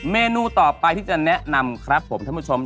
เมนูต่อไปที่จะแนะนำครับผมท่านผู้ชม